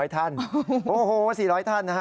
ท่านโอ้โห๔๐๐ท่านนะฮะ